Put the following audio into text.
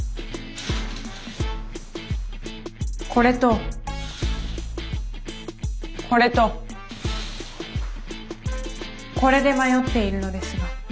これとこれとこれで迷っているのですが。